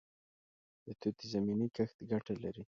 د توت زمینی کښت ګټه لري؟